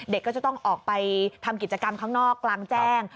ก็จะต้องออกไปทำกิจกรรมข้างนอกกลางแจ้ง